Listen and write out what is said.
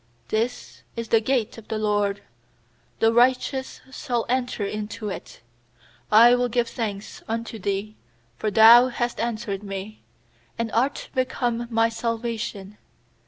20This is the gate of the LORD; The righteous shall enter into it. S61 118 21 PSALMS 21I will give thanks unto Thee, for Thou hast answered me, And art become my salvation.